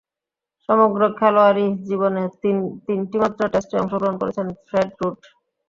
সমগ্র খেলোয়াড়ী জীবনে তিনটিমাত্র টেস্টে অংশগ্রহণ করেছেন ফ্রেড রুট।